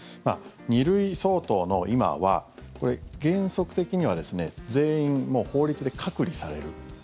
２類相当の今は、これ原則的にはですね全員、もう法律で隔離される。